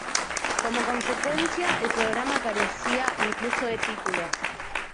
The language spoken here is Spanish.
Como consecuencia, el programa carecía incluso de título.